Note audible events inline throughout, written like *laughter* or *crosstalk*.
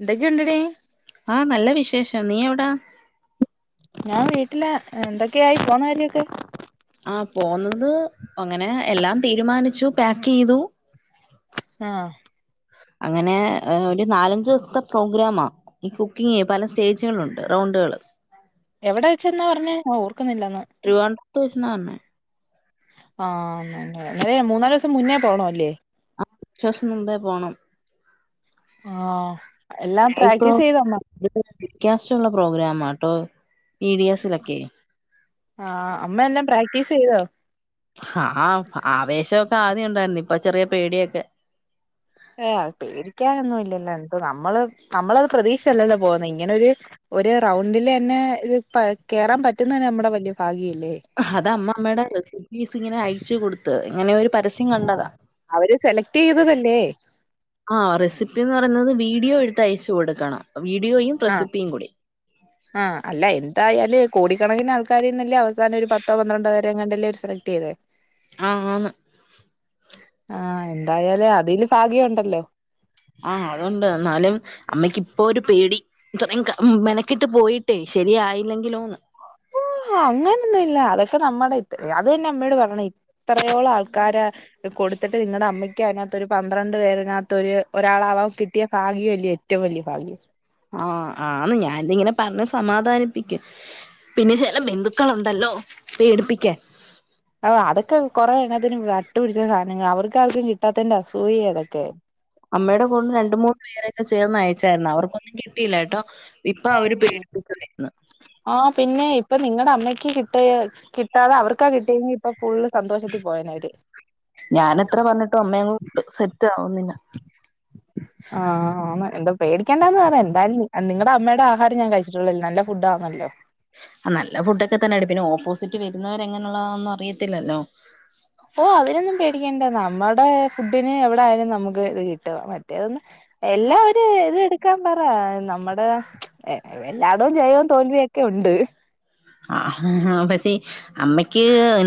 എന്തൊക്കെയുണ്ടടി ആഹ് നല്ല വിശേഷം നീ എവിടാ ഞാൻ വീട്ടിലാ എന്തൊക്കെയായി പോണ കാര്യൊക്കെ ആ പോന്നത് അങ്ങനെ എല്ലാം തീരുമാനിച്ചു പാക്ക് ചെയ്തു ആഹ് അങ്ങനെ ഒരു നാലഞ്ച് ദിവസത്തെ പ്രോഗ്രാമാ ഈ കുക്കിംഗ് പല സ്റ്റേജുകളുണ്ട് റൗണ്ടുകള് എവിടെ വെച്ചെന്നാ പറഞ്ഞേ ഞാൻ ഓർക്കുന്നില്ലന്ന് ട്രിവാൻഡ്രത്ത് വെച്ച്ന്നാ പറഞ്ഞേ ആഹ് അങ്ങനെ മൂന്നാല് ദിവസം മുന്നേ പോണല്ലേ ച്ചോസം മുമ്പേ പോണം ആഹ് എല്ലാം പ്രാക്ടീസ് *unintelligible* ചെയ്തോ അമ്മ പ്രോഗ്രാമാ ട്ടോ വീഡിയോസിലൊക്കെ ആഹ് അമ്മ എല്ലാം പ്രാക്ടീസ് ചെയ്തോ ആഹ് ആവേശൊക്കെ ആദ്യം ഉണ്ടായിരുന്നു ഇപ്പൊ ചെറിയ പേടിയൊക്കെ ഏഹ് പേടിക്കാനൊന്നും ഇല്ലല്ലോ എന്ത് നമ്മള് നമ്മളത് പ്രതീക്ഷിച്ചല്ലല്ലോ പോക്ന്ന ഇങ്ങനൊരു ഒരു റൗണ്ടില് തന്നെ ഇത് കേറാൻ പറ്റുന്ന നമ്മുടെ വലിയ ഭാഗ്യല്ലേ അത് അമ്മ അമ്മയുടെ റെസിപ്പീസ് ഇങ്ങനെ അയച്ച് കൊടുത്ത് ഇങ്ങനെ ഒരു പര സ്യം കണ്ടതാ അവര് സെലക്ട് ചെയ്തതല്ലേ ആഹ് റെസിപ്പിന്ന് പറയുന്നത് വീഡിയോ എടുത്ത് അയച്ചു കൊടുക്കണം വീഡിയോയും ആഹ് റെസിപ്പിയും കൂടി. ആഹ് അല്ല എന്തായാലും കോടിക്കണക്കിന് ആൾക്കാരിൽന്നല്ലേ അവസാനം ഒര് പത്ത്. ത്തോ പന്ത്രണ്ടൊ വേരെങ്ങാണ്ടല്ലേ അവർ സെലക്ട് ചെയ്തെ ആഹ് ആന്ന് ആഹ് എന്തായാലും അതില് ഫാഗ്യം ഉണ്ടല്ലോ ആഹ് അതൊണ്ട് എന്നാലും അമ്മയ്ക്ക് ഇപ്പോ ഒരു പേടി *unintelligible* ക്കിട്ട് പോയിട്ടേ ശരിയായില്ലെങ്കിലൊന്ന്. ഓഹ് അങ്ങനൊന്നും ഇല്ല അതൊക്കെ നമ്മുടെ ഏ അത് തന്നെ അമ്മയോട് പറയണ് ഇത്രയോളം ആൾക്കാര കൊടുത്തിട്ട് നിങ്ങടെ അമ്മയ്ക്ക് അതിനകത്തൊരു പന്ത്രണ്ട് പേര്നകത്ത് ഒരു ഒരാളാവാൻ കിട്ടിയ ഫാഗ്യല്ലേ ഏറ്റവും വലിയ ഫാഗ്യം ആഹ് ആ ഞാനിതിങ്ങനെ പറഞ്ഞ് സമാധാനിപ്പിക്കും പിന്നെ ചെല ബന്ധുക്കളുണ്ടല്ലോ പേടിപ്പിക്കാൻ അഹ് അതൊക്കെ കൊറെ എണ്ണത്തിന് വട്ടു പിടിച്ച സാധനങ്ങളാ അവർക്ക് ആർക്കും കിട്ടാത്തേന്റെ അസൂയേ അതൊക്കെ അമ്മയുടെ ഫോണിന്നു രണ്ട് മൂന്ന് പേരൊക്കെ ചേർന്ന് അയച്ചായിരുന്നു അവർക്കൊന്നും കിട്ടിയില്ല ട്ടൊ ഇപ്പൊ അവര് പെട് *unintelligible* ആ പിന്നെ ഇപ്പ നിങ്ങടെ അമ്മയ്ക്ക് കിട്ടിയ കിട്ടാതെ അവർക്കാ കിട്ടിയെ ഇപ്പ ഫുള്ള് സന്തോഷത്തിൽ പോയേനെ അവര് ഞാൻ എത്ര പറഞ്ഞിട്ടും അമ്മയങ്ങ് സെറ്റ് ആവുന്നില്ല *unintelligible* ആഹ് ആ എന്താ പേടിക്കേണ്ടാന്ന് പറയാ എന്തായാലും നിങ്ങടെ അമ്മടെ ആഹാരം ഞാൻ കഴിച്ചിട്ടുള്ളല്ലേ നല്ല ഫുഡ് ആണല്ലോ ആ നല്ല ഫുഡ് ഒക്കെ തന്നെയ പിന്നെ ഓപ്പോസിറ്റ് വരുന്നവരെ എങ്ങനെയുള്ളതാന്നും അറിയത്തില്ലല്ലോ ഓഹ് അതിനൊന്നും പേടിക്കണ്ട നമ്മടെ ഫുഡിന് എവിടായാലും നമുക്ക് ഇത് കിട്ട മറ്റേതെന്ന് എല്ലാ ഒരു ഇതിൽ എടുക്കാൻ പറയാ നമ്മടെ. ഏ എല്ലാടോം ജയവും തോൽവിയൊക്കെ ഉണ്ട് ആഹ് *unintelligible* അമ്മയ്ക്ക്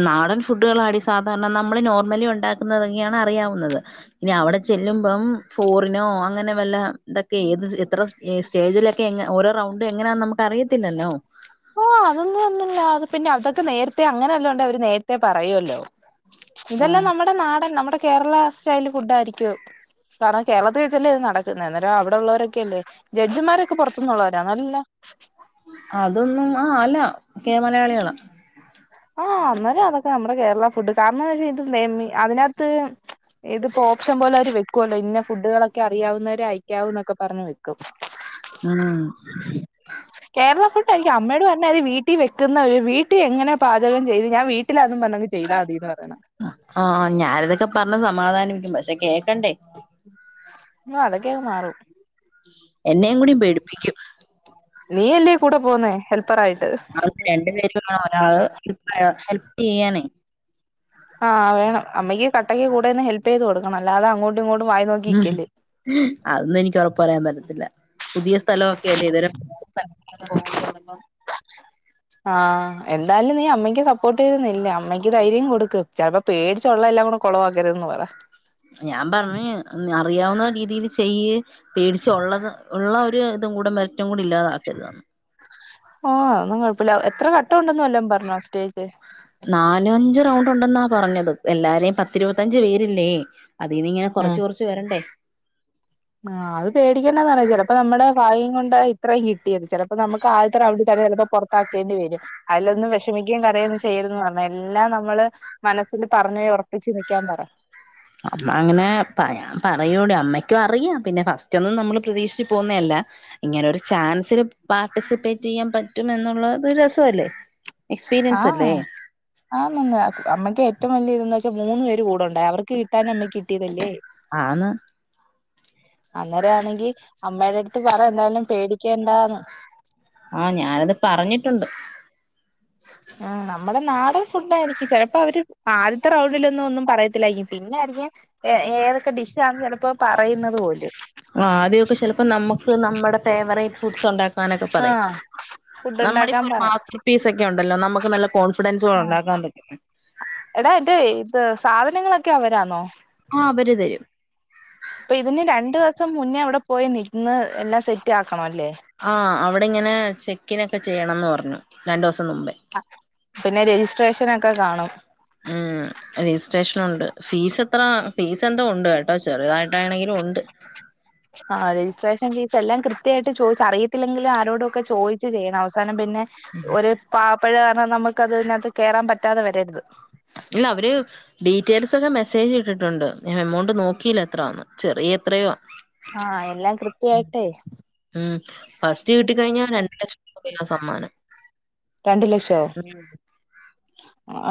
നാടൻ ഫുഡുകളാടി സാധാരണ നമ്മള് നോർമലി ഉണ്ടാക്കുന്നതൊക്കെയാണ് അറിയാവുന്നത് ഇനി അവിടെ ചെല്ലുമ്പം ഫോറിനോ അങ്ങനെ വല്ല ഇതൊക്കെ ഏത് എത്ര സ്റ്റേജിലക്കെ ഓരോ റൌണ്ടും എങ്ങനാന്ന് നമുക്ക് അറിയത്തില്ലല്ലോ. ഓ അതൊന്നും ഒന്നുമല്ല അത് പിന്നെ അതൊക്കെ നേരത്തെ അങ്ങനെവല്ലോണ്ടേ അവര് നേരത്തെ പറയോല്ലോ ഇതെല്ലാം ആഹ് നമ്മടെ നാടൻ നമ്മുടെ കേരള സ്റ്റൈൽ ഫുഡായിരിക്കു അത് കാരണം കേർളത്തി വെച്ചല്ലേ അത് നടക്കുന്നത് അന്നേരം അവിടെ ഉള്ളവരൊക്കെല്ലേ ജഡ്ജിമാരൊക്കെ പുറത്തുന്നുള്ളവരാനൊ അല്ലാലോ? അതൊന്നും ആ അല്ല ക്കെ മലയാളികള ആഹ് അനേര അതൊക്കെ നമ്മുടെ കേരള ഫുഡ് കാരണം *unintelligible* *unintelligible* അതിനകത്ത് ഇതിപ്പോ ഓപ്ഷൻ പോലെ അവര് വെക്കുവല്ലോ ഇന്ന ഫുഡുകളൊക്കെ അറിയാവുന്നവര് അയക്കാവൂന്നൊക്കെ പറഞ്ഞ് വെക്കും *unintelligible* ആഹ് കേരള ഫുഡായിരിക്കും അമ്മയോട് പറഞ്ഞര് വീട്ടിൽ വെക്കുന്ന *unintelligible* വീ കുട്ടി എങ്ങനെ പാചക ചെയ്ത് ഞാൻ വീട്ടിലതും പറഞങ് ചെയ്താൽ മതീ പറയണം ആഹ് ഞാനിതൊക്കെ പറഞ്ഞു സമാധാനിപ്പിക്കും പക്ഷെ കേക്കണ്ടേ ന അതൊക്കെ അങ്ങ് മാറും എന്നേം കൂടി പേടിപ്പിക്കും നീയല്ലേ കൂടെ പോന്നേ ഹെൽപ്പറായിട്ട് അ രണ്ടു പേരും *unintelligible* പ്പഴോ ഹെൽപ്പ്യ്യനെ ആഹ് വേണം അമ്മയ്ക്ക് കട്ടയ്ക്ക് കൂടെ നിന്ന് ഹെല്പ് ചെയ്ത് കൊടുക്കണം അല്ലാതെ അങ്ങോട് ട്ടും ഇങ്ങോട്ടും വായി ഉം നോക്കിക്കല്ലേ അതൊന്നും *unintelligible* *unintelligible* സ്ഥലമൊക്കെയല്ലേ സ്ഥലൊക്കെ ഇതുവരെ പോകുമ്പോ ചെലപ്പോ ആഹ് എന്തായാലും നീ അമ്മയ്ക്ക് സപ്പോർട്ട് ചെയ്തു ന്നില്ല് അമ്മയ്ക്ക് ധൈര്യം കൊടുക്ക് ചിലപ്പോ പേടിച്ചു ഉള്ള എല്ലാം കൂടെ കുളവാക്കരുതന്ന് പറ ഞാൻ പറഞ്ഞ് അറിയാവുന്ന രീതിയിൽ ചെയ്യ്. പേടിച്ച ഉള്ളത് ഉള്ള ഒരു ഇതും കൂടെ മെറിറ്റും കൂടെ ഇല്ലാതാക്കരുതന്ന് ഓ ഒന്നും കുഴപ്പില്ല എത്ര കഘട്ടം ഉണ്ടന്ന വല്ല പറഞ്ഞോ സ്റ്റേജ് നാല അഞ്ച റൗണ്ട് ഉണ്ടെന്നാ പറഞ്ഞത് എല്ലാരേും പത്തിരുപത്തഞ്ച് പേരില്ലേ അതിനി ഇങ്ങനെ കൊറച്ച് കുറച്ച് വരണ്ടേ ആ അത് പേടിക്കണ്ടാ പറ ചിലപ്പോ നമ്മുടെ ഭാഗ്യം കൊണ്ട് ആ ഇത്രയും കിട്ടിയത് ചെ- അപ്പൊ നമുക്ക് ആദ്യത്തെ റവുണ്ടിൽ തന്നെ ചെലപ്പോ പൊറത്താക്കേണ്ടി വരും അതിനൊന്നും വിഷമിക്കുകയും കരയു - ചെയ്യരുതെന്ന് പറഞ്ഞ് എല്ലാം നമ്മള് മനസ്സിൽ പറഞ്ഞഞ് ഒറപ്പിച്ച് നിക്കാൻ പറ അമ്മ അങ്ങനെ പറ പറയൂടെ അമ്മയ്ക്കും അറിയാം പിന്നെ ഫസ്റ്റ് ഒന്നും നമ്മള് പ്രതീക്ഷിച്ച് പോന്നയല്ല ഇങ്ങനെ ഒരു ചാൻസിൽ പാർട്ടിസിപ്പേറ്റ് ചെയ്യാൻ പറ്റും എന്നുള്ളത് രസല്ലേ എക്സ്പീരിയൻസ് സവല്ലേ അതൊന്നും അല്ല അമ്മക്കെ - ഏറ്റവും വലിയ ഇതന്ന് വെച്ചാൽ മൂന്നു പേര് കൂടെണ്ടായി അവർക്ക് കിട്ടാതെ നമ്മക്ക് കിട്ടിയതല്ലേ ആന്ന് അന്നേരയാണെങ്കി അമ്മയുടെ അടുത്ത് പറ എന്തായാലും പേടിക്കണ്ടാന്ന് ആഹ് ഞാനത് പറഞ്ഞിട്ടുണ്ട് ആ നമ്മുടെ നാട്- ഉണ്ടായിരിക്കും ചെലപ്പോ അവര് ആദ്യത്തെ റൗണ്ടിലൊന്നും ഒന്നും പറയത്തില്ലായിരിക്കും പിന്നെ അറിഞ്ഞേ - ഏ ഏതൊക്കെ ഡിഷ്യാണ് ചെലപ്പോ പറയുന്നത് പോലും അപ്പം നമുക്ക് നമ്മുടെ ഫേവറേറ്റ് ഫുഡ്സ് ഒണ്ടാക്കാം അങ്ങനൊക്കെ പറയും ഫുഡ് നമ്മുടെ ഉണ്ടാക്കാൻ ഇപ്പോഒരു പറയും മാസ്റ്റർ പീസ് ഒക്കെ ഉണ്ടല്ലോ നമുക്ക് നല്ല കോൺഫിഡൻസ് ആ ഒണ്ടാക്ക- *unintelligible* എടാ എന്റെ ഇത് സാധനങ്ങളൊക്കെ അവരാന്നോ ആഹ് അവര് തരും അപ്പൊ ഇതിന് രണ്ടു ദെവസം മുന്നേ അവിടെ പോയി നിന്ന് എല്ലാം സെറ്റ് ആക്കണല്ലേ ആ അവിടെ ഇങ്ങനെ ചെക്കിനൊക്കെ ചെയ്യണംന്ന് പറഞ്ഞു രണ്ടു ദെവസം മുമ്പേ ആഹ് പിന്നെ രജിസ്ട്രേഷനോക്കെ കാണും ഉം രജിസ്ട്രേഷനോണ്ട് ഫീസ് എത്ര ഫീസ് എന്തോ ഒണ്ട് കേട്ടോ ചെറുതായിട്ടാണെങ്കിലും ഒണ്ട് *inaudible* ആ രജിസ്ട്രേഷൻ ഫീസ് എല്ലാം കൃത്യമായിട്ട് ചോദിച്ച് അറിയത്തില്ലെങ്കിലും ആരോടും ഒക്കെ ചോദിച്ചു ചെയ്യണം അവസാനം പിന്നെ- ഉ *inaudible* പാകപ്പെഴ കാരണം നമുക്ക് അത്തിനകത്ത് കയറാൻ പറ്റാതെ വരരുത് ഇല്ല അവര് ഡീറ്റെയിൽസ് ഒക്കെ മെസ്സേജ് ഇട്ടിട്ടുണ്ട് ഞാൻ എമൗണ്ട് നോക്കിയില്ല എത്രയാന്ന് ചെറിയ എത്രയോയാ ആ എല്ലാം കൃത്യായിട്ടേ ഉം ഫസ്റ്റ് കിട്ടിക്കഴിഞ്ഞാൽ രരണ്ട് ലക്ഷം രൂപയാണ് സമ്മാനം രണ്ട് ലക്ഷ *unintelligible*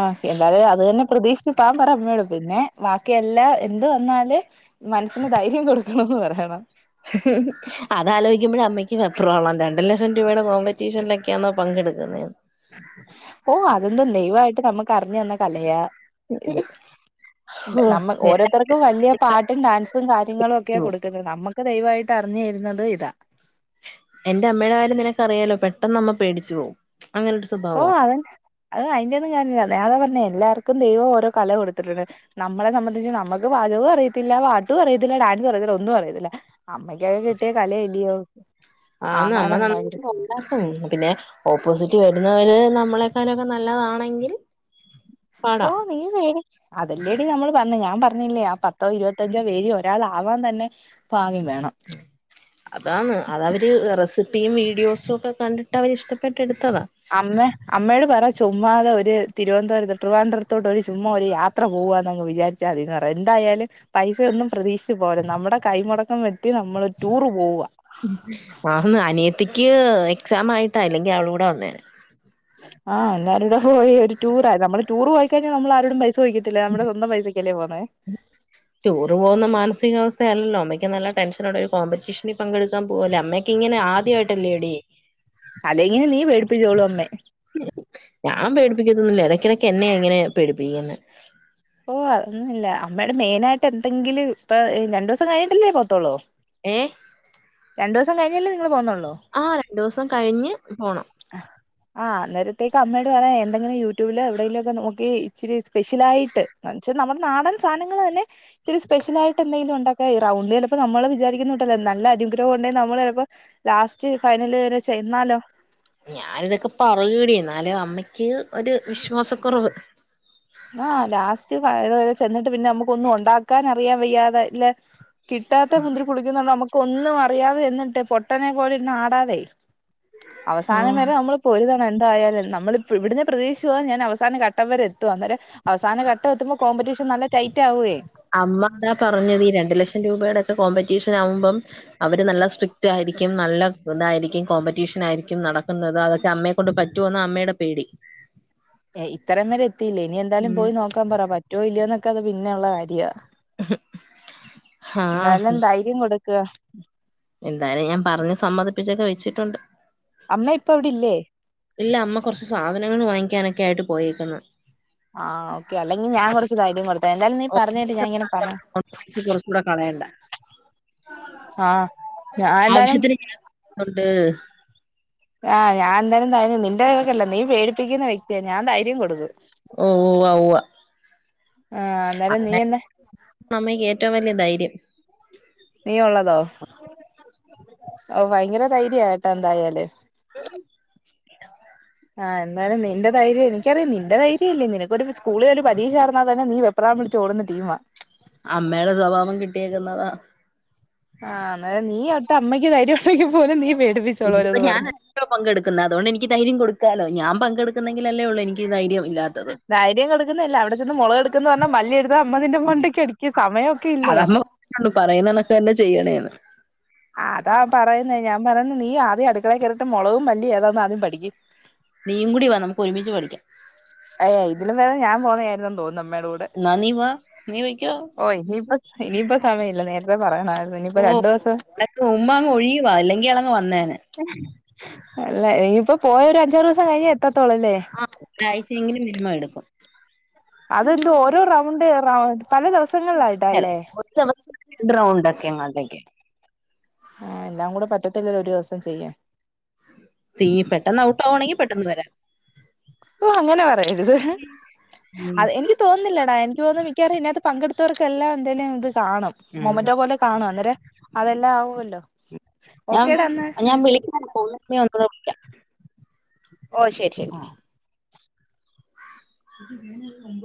ആകിയതാ അത് തന്നെ പ്രതീക്ഷിച്ച് പാൻ പറ അമ്മയോട് പിന്നെ ബാക്കിയെല്ലാം എന്ത് വന്നാല് - പിന്നെ ധൈര്യം കൊടുക്കണംന്ന് പറയണം അതലോചിക്കുമ്പോഴ അമ്മക്ക് വെപ്രാളം രണ്ട് ലക്ഷം രൂപയുടെ കോമ്പറ്റീഷനിലൊക്കെയാണൊ പങ്കെടുക്കുന്നെ ഓ അതൊന്നുമില്ലേ ദൈവമായിട്ട് നമുക്ക് അറിഞ്ഞ് തന്നെ - കലയാ ഇത് ഹോ നമ്മ പറ്റോ ഓരോരുത്തർക്കും വലിയ പാട്ട്- മും ഡാൻസും കാര്യങ്ങളും ഒക്കെയാണ് കൊടുക്കുന്നത് നമുക്ക് ദയവായിട്ട് അറിഞ്ഞു തരുന്നത് ഇതാ എന്റെ അമ്മയുടെ കാര്യം നിനക്ക അറിയാലോ പെട്ടെന്ന് അമ്മ പേടിച്ചു പോവും അങ്ങനെ- ഓഹ് അവൻ അതിന്റെ ഒന്നും കാര്യമില്ല ഞാനതാ പറഞ്ഞെ എല്ലാർക്കും ദൈവം ഓരോ കല കൊടുത്തിട്ടുണ്ട് നമ്മളെ സംബന്ധിച്ച് നമുക്ക് പാചകവും അറിയത്തില്ല പാട്ടും അറിയത്തില്ല ഡാൻസും അറിയത്തില്ല ഒന്നും അറിയത്തില്ല അമ്മയ്ക്കൊക്കെ കിട്ടിയ കലയല്ലിയോ ആന്ന് അമ്മ ആഹാരം ഉണ്ടായത് നന്നായിട്ട് പിന്നെ ഓപ്പോസിറ്റ് വരുന്നവര് നമ്മളെക്കാളിലുക്കെ നല്ലതാണെങ്കിൽ- പാടാ ഓഹ് നീ വേടി - അതെല്ലേടി നമ്മള് പറഞ്ഞെ ഞാൻ പറഞ്ഞില്ലേ ആ പത്തോ ഇരുപ്പത്തി യഞ്ചോ പേരിൽ ഒരാൾ ആവൻ തന്നെ ആ ഭാഗ്യം വേണം *unintelligible* അതാണ് അതവര് റെസിപ്പിയും വീഡിയോസും ഒക്കെ കണ്ടിട്ട് അവര് ഇഷ്ടപ്പെട്ടെടുത്തതാ അമ്മേ അമ്മയോട് പറ ചുമ്മാതെ അവര് തിരുവനന്തപുരത്ത് ട്രിവാൻഡ്രത്തോട്ട് ഒരു ചുമ്മാ ഒരു യാത്ര- ത്ര പോവാന്നങ്ങ് വിചാരിച്ച മതിന്ന് പറയാ എന്തായാലും പൈസ ഒന്നും പ്രതീക്ഷിച്ച് പോകരുത് നമ്മുടെ കൈമുടക്കം വെട്ടി നമ്മൾ ടൂറ് പോവ ആന്ന് അനിയത്തിക്ക് എക്സാം ആയിട്ട അല്ലെങ്കിൽ അവളും കൂടെ വന്നേന് ആഹ് എല്ലാരുടെ പോയി ഒരു ടൂറാ നമ്മള് ടൂർ പോയി കഴിഞ്ഞാൽ നമ്മള് ആരോടും പൈ സ ചോദിക്കത്തില്ല നമ്മുടെ സ്വന്തം പൈസക്കല്ലേ പോന്നേ ടൂറ് പോകുന്ന മാനസികാവസ്ഥയല്ലല്ലോ അമ്മയ്ക്ക് നല്ല ടെൻഷൻ ഉണ്ട് ഒരു കോമ്പറ്റീഷൻ ഞ്ഞി പങ്കെടുക്കാൻ പോവല്ലേ അമ്മയെ കെ ഇങ്ങനെ ആദ്യയിട്ടല്ലേ ടീ അല്ലെങ്ങിലും നീ പേടിപ്പിച്ചോളും അമ്മെ ഞാൻ പേടിപ്പിക്കത്തൊന്നില്ല ഇടക്കിടക്ക് എന്നെ ഇങ്ങനെ പേടിപ്പിക്കുന്നെ ഓ അതൊന്നുംല്ല അമ്മയുടെ മെയിന ആയിട്ട് എന്തെങ്കിലും ഇപ്പൊ രണ്ടു ദിവസം കഴിഞ്ഞിട്ടില്ലേ പോത്തോളോ ഏ രണ്ടൂസം കയിഞ്ഞല്ലേ നിങ്ങൾ പോവുന്നൊള്ളു ആ രണ്ടൂസം കഴിഞ്ഞ് പോണം ആഹ് അന്നേരത്തേക്ക് അമ്മയോട് പറ എന്തെങ്കിലും യൂട്യൂബിലോ എവിടേലൊക്കെ നോക്കി ഇച്ചിരി സ്പെഷ്യലായിട്ട് എന്ന് വെച്ചാൽ നമ്മുടെ നാടൻ സാനങ്ങൾ തന്നെ ഇച്ചിരി സ്പെഷ്യലായി ട്ട് എന്തെങ്കിലും ഉണ്ടാക്കാ ഈ റൗണ്ട് ചെലപ്പോ നമ്മൾ വിചാരിക്കുന്ന കൂട്ടല്ല നല്ല അനുഗ്രഹം ഉണ്ടേ നമ്മള് ചെലപ്പോ ലാസ് സ്റ്റ് ഫൈനൽ വരെ ചെയ്യന്നാലോ ഞാനിതൊക്കെ പറയുവടി എന്നാലും അമ്മയ്ക്ക് ഒരു വിശ്വാസക്കുറവ് ആഹ് ലാസ്റ്റ് വരെ ചെന്നിട്ട് പിന്നെ നമ്മുക്ക് ഒന്നും ഉണ്ടാക്കാൻ അറിയാൻ വയ്യാതെ ല്ലേ കിട്ടാത്ത മുന്തിരി പുളിക്കുന്നരഞ്ഞാ നമ്മുക്ക് ഒന്നും അറിയാതെ ചെന്നിട്ട് പൊട്ടനെ പോലെ ഇരിന്ന് ആടാതെയ് അവസാനം ആഹ് വരെ നമ്മള് പൊരുതണ്ണം എന്തായാലും നമ്മള് പ്പൊ ഇവിട്ന്നേ പ്രതീക്ഷിച്ചുവാൻ ഞാൻ അവസാനം ഘട്ടം വരെ എത്തു അന്നേരം അവസാനം ഘട്ടം എത്തുമ്പം കോമ്പറ്റീഷൻ നല്ല ടൈറ്റ് ആവേയ് അമ്മ അതാ പറഞ്ഞത് ഈ രണ്ടു ലക്ഷം രൂപയുടെ ഒക്കെ കോമ്പറ്റീഷൻ ആകുമ്പം അവര് നല്ല സ്ട്രിക്ട് ആയിരിക്കും നല്ല ഇതായിരിക്കും കോമ്പറ്റീഷൻ ആയിരിക്കും നടക്കുന്നത് അതൊക്കെ അമ്മ കൊണ്ട് പറ്റോന്നാ അമ്മയുടെ പേടി ഇത്രം വരെ എത്തിയില്ലേ ഇനി എന്തായാലും ഉം പോയി നോക്കാൻ പറ പറ്റുവോ ഇല്ലയൊന്നൊക്കെ അത് പിന്നെയുള്ള കാര്യ ആഹ് എന്തായാലും ധൈര്യം കൊടുക്ക് എന്തായാലും ഞാൻ പറഞ്ഞ് സമ്മതിപ്പിച്ചൊക്കെ വെച്ചിട്ടുണ്ട് അമ്മ ഇപ്പം അവിടെ അവിടെ ഇല്ലേ ഇല്ല അമ്മ കുറച്ച് സാധനങ്ങൾ വാങ്ങിക്കാനൊക്കെ ആയിട്ട് പോയേക്ക്ന്ന് ആഹ് ഓക്കെ അല്ലെങ്കിൽ ഞാൻ കൊറച്ചു ധൈര്യം കൊടു എന്തായാലും നീ ഓ, പറഞ്ഞേട്ട് ഞാൻ ഇങ്ങനെ പറാ പൈസ കുറച്ചുകൂടെ കളയണ്ട ആഹ് ഞാൻ എന്തായാലും ന്നുണ്ട് ആഹ് ഞാൻ എന്തായാലും ധൈര്യ നിന്റെ കണക്കല്ല നീ പേടിപ്പിക്കുന്ന വ്യക്തിയ ഞാൻ ധൈര്യം കൊടുക്കും ഓ ഉവ്വാ ഉവ്വാ ആഹ് എന്താലും നീ എന്നെ അമ്മയ്ക്ക് ഏറ്റവും വലിയ ധൈര്യം നീ ഉള്ളതോ ഔ ഭയങ്കര ധൈര്യാ കേട്ടോ എന്തായാല് *unintelligible* ആഹ് എന്താലും നിന്റെ ധൈര്യം എനിക്കറിയ നിന്റെ ധൈര്യല്ലേ നിനക്ക് ഒരു സ്കൂളിൽ ഒരു പരീക്ഷ ആയിരുന്നാ തന്നെ നീ വെ പ്രാളം പിടിച്ച് ഓടുന്ന ടീമാ അമ്മയുടെ സ്വഭാവം കിട്ടിയേക്കുന്നതാ ആഹ് അന്നേരം നീ ഒട്ട് അമ്മയ്ക്ക് ധൈര്യം ഉണ്ടെങ്കിൽ പോലും നീ പേടിപ്പി ഇതിപ്പോ ഞാൻ അല്ലല്ലോ പങ്കെടുക്കുന്നത് അതൊണ്ട് എനിക്ക് ധൈര്യം കൊടുക്കാലോ ഞാൻ പങ്കെടുക്കുന്നെങ്കിൽ അല്ലേ ഒള്ളൂ എനി ക്ക് ധൈര്യം ഇല്ലാത്തത് ധൈര്യം കൊടുക്കുന്നല്ല അവിടെ ചെന്ന് മുളക് എടുക്കുന്ന് പറഞ്ഞാൽ മല്ലി എടുത്ത അമ്മ നിന്റെ മണ്ടക്ക് അടിക്കും സമയൊക്കെ ഇല്ലേ ണ്ട് പറയുന്നന്നൊക്കന്നെ ചെയ്യണേന്ന് അതാ പറയുന്നേ ഞാൻ പറയുന്ന് നീ ആദ്യം അടുക്കളേ കേറിട്ട് മുളകും മല്ലി ഏതാന്ന് ആദ്യം പഠിക്ക് നീയും കൂടി വാ നമുക്ക് ഒരുമിച്ച് പഠിക്ക അയ്യ ഇതിലും പേതം ഞാൻ പോന്നായിരുന്നു തോന്നുന്നു അമ്മേയുടെ കൂടെ എന്നാ നീ വാ നീ വയ്ക്കോ ഓ ഇനിയിപ്പം ഇനിയിപ്പോ സമയല്ല നേരത്തെ പറയണമായിരുന്നു ഇനിയിപ്പോ രണ്ടു ദിവസം അനക്ക് ഉം അങ് ഒഴിയുവാ അല്ലെങ്കി അവൻ വന്നേനെ അല്ല ഇനിയിപ്പോ പോയ ഒരു അഞ്ചാറ് ദിവസം കഴിഞ്ഞെ എത്തത്തോളൂ അല്ലേ ആഹ് ഒരാഴ്ചെങ്കിലും മിനിമം എടുക്കും അതെന്ത് ഓരോ റൗണ്ട് റൗ പല ദിവസങ്ങളിലായിട്ടാല്ലേ ഡ്രൗണ്ടോക്കെ എങ്ങാണ്ടൊക്കെ ആഹ് എല്ലാം കൂടെ പറ്റത്തില്ലല്ലോ ഒരു ദിവസം ചെയ്യാൻ തീ പെട്ടെന്ന് ഔട്ട് ആവാണെങ്കി പെട്ടെന്ന് വരാം ഓഹ് അങ്ങനെ പറയരുത് അത് എനിക്ക് തോന്ന ഒന്നില്ലടാ എനിക്ക് തോന്നും മിക്കാറും ഇതിനകത്ത് പങ്കെടുത്തവർക്ക് എല്ല എന്തായാലും ഇത് കാണും ഉം മൊമറ്റോ പോലെ കാണു അന്നേരം അതെല്ലാം ആവുമല്ലോ ഞാൻ ഓക്കേടാ ഞാൻ അന്ന ശരി വിളിക്കാം *unintelligible* ഓഹ് ശരി ശരി ആഹ്